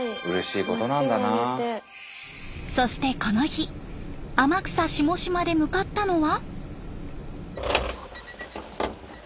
そしてこの日天草下島で向かったのは。